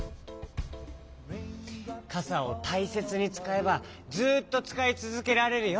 かさをたいせつにつかえばずっとつかいつづけられるよ。